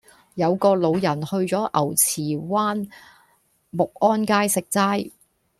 有個老人去左牛池灣沐安街食齋